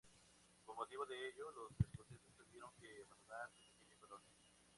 Con motivo de ello, los escoceses tuvieron que abandonar su pequeña colonia.